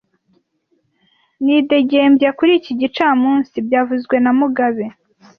Nidegembya kuri iki gicamunsi byavuzwe na mugabe